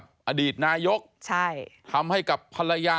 ก็ไม่รู้ว่าฟ้าจะระแวงพอพานหรือเปล่า